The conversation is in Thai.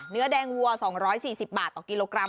เนื้อแดงวัว๒๔๐บาทต่อกิโลกรัม